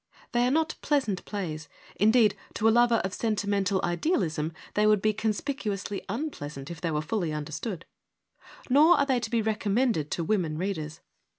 They are not pleasant plays : indeed, to a lover of sentimental idealism they would be conspicuously unpleasant if they were fully understood. Nor are they to be recommended to women readers.